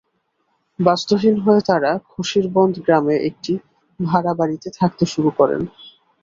বাস্তুহীন হয়ে তাঁরা খশিরবন্দ গ্রামে একটি ভাড়া বাড়িতে থাকতে শুরু করেন।